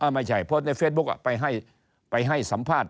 ไม่ใช่โพสต์ในเฟซบุ๊กไปให้สัมภาษณ์